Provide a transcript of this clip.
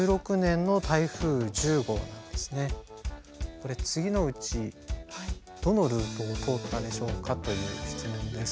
これ次のうちどのルートを通ったでしょうかという質問です。